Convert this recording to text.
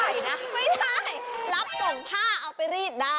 ไม่ได้รับส่งผ้าเอาไปรีดได้